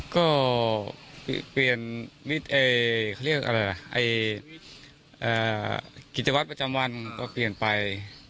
ก็เปลี่ยนกิจวัตรประจำวันก็เปลี่ยนไป